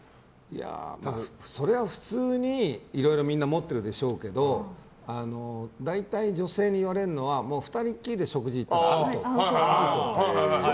それは普通に、みんないろいろ持ってるでしょうけど大体、女性に言われるのは２人きりで食事に行ったらアウトだって。